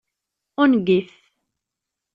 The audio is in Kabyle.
Ungif!